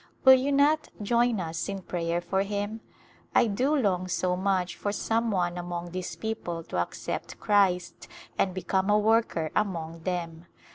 Will you not join us in prayer for him ? I do long so much for some one among this people to accept Christ and become a worker among them.